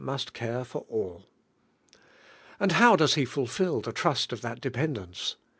must care for all. And how does He fulfil the trust of that dependence?